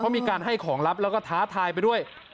มีการให้ของลับแล้วก็ท้าทายไปด้วย